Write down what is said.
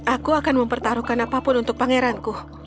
aku akan mempertaruhkan apapun untuk pangeranku